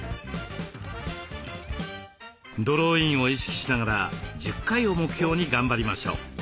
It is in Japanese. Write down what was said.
ドローインを意識しながら１０回を目標に頑張りましょう。